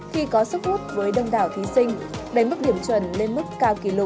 khi có sức hút với đông đảo thí sinh đánh mức điểm chuẩn lên mức cao